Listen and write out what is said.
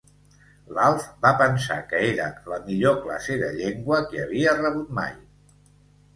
L'Alf va pensar que era la millor classe de llengua que havia rebut mai.